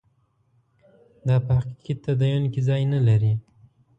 دا په حقیقي تدین کې ځای نه لري.